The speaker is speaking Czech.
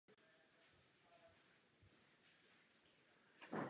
Pracuje také jako skaut pro agenturu Global Sports.